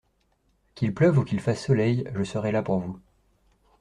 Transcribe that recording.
Qu’il pleuve ou qu’il fasse soleil, je serai là pour vous.